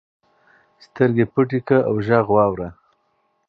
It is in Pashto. سترګې پټې کړه او غږ واوره.